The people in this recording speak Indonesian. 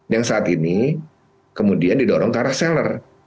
yang saat ini kemudian didorong ke arah seller